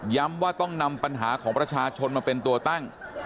ว่าต้องนำปัญหาของประชาชนมาเป็นตัวตั้ง